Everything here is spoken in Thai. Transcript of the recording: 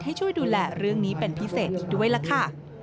ให้ช่วยดูแลเรื่องนี้เป็นพิเศษด้วยล่ะค่ะ